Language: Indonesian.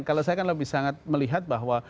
kalau saya kan lebih sangat melihat bahwa